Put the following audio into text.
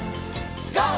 ＧＯ！